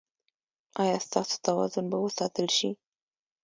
ایا ستاسو توازن به وساتل شي؟